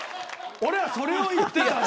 俺はそれを言ってたの！